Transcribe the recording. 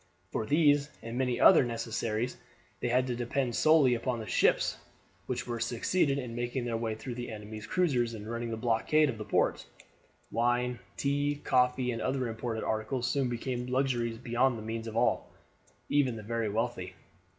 For these and many other necessaries they had to depend solely upon the ships which succeeded in making their way through the enemy's cruisers and running the blockade of the ports. Wine, tea, coffee, and other imported articles soon became luxuries beyond the means of all, even the very wealthy.